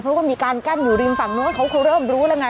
เพราะว่ามีการกั้นอยู่ริมฝั่งโน้นเขาคงเริ่มรู้แล้วไง